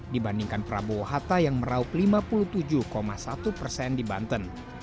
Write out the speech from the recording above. dibandingkan prabowo hatta yang meraup lima puluh tujuh satu persen di banten